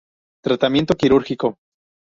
Tratamiento quirúrgico.